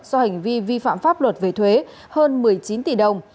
do hành vi vi phạm pháp luật về thuế hơn một mươi chín tỷ đồng